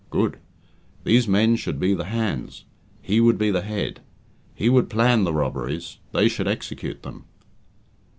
Good. These men should be the hands; he would be the head. He would plan the robberies; they should execute them.